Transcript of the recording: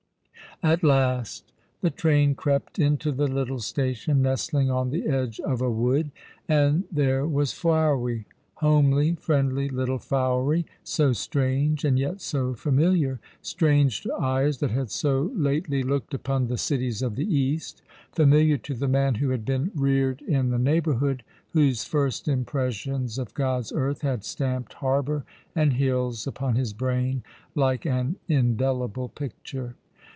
At last ! The train crept into the little]^ station, nestling on the edge of a wood, and there was Fowey, homely, friendly little Fowey, so strange and yet so familiar ; strange to eyes that had so lately looked upon the cities of the East ; familiar to the man who had been reared in the neighbourhood, whose first impressions of God's earth had stamped harbour and hills upon his brain, like an indelible picture.